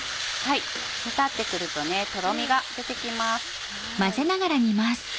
煮立って来るととろみが出て来ます。